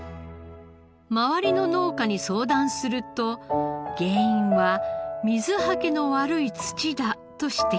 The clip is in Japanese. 周りの農家に相談すると原因は水はけの悪い土だと指摘されました。